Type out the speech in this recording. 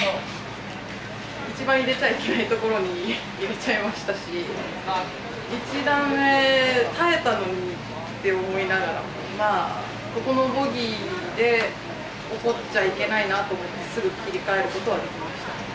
一番入れちゃいけないところに入れちゃいましたし１打目、耐えたのにって思いながらここのボギーで怒っちゃいけないなと思ってすぐに切り替えることはできました。